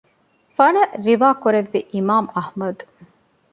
ފަނަރަ ރިވާކުރެއްވީ އިމާމު އަޙްމަދު